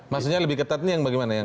maksudnya lebih ketat nih yang bagaimana